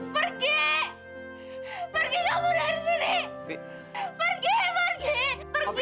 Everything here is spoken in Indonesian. pergi enggak gue gak mau ketemu sama kamu